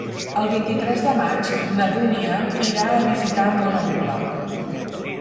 El vint-i-tres de maig na Dúnia irà a visitar mon oncle.